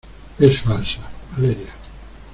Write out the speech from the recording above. es falsa. Valeria .